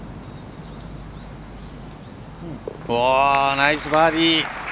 ナイスバーディー。